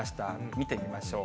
見てみましょう。